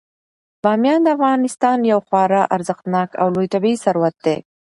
بامیان د افغانستان یو خورا ارزښتناک او لوی طبعي ثروت دی.